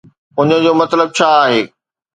ان جو مطلب ڇا آهي؟